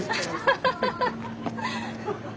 ハハハハ！